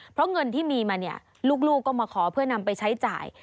เพราะเงินที่มีมาเนี่ยลูกก็มาขอเพื่อนำไปใช้จ่าย